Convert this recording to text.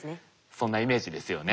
そんなイメージですよね。